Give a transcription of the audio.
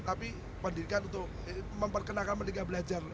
tapi pendidikan untuk memperkenalkan merdeka belajar